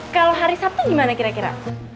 kalau hari sabtu gimana kira kira